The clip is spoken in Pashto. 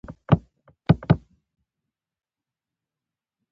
دا هندسه د خیال له کرښو رسم شوې ده.